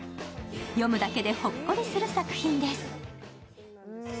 読むだけでほっこりする作品です。